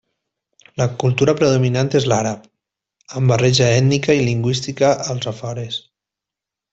La cultura predominant és l'àrab, amb barreja ètnica i lingüística als afores.